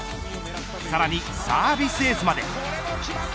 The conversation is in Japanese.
さらに、サービスエースまで。